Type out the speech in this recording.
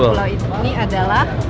pulau pulau ini adalah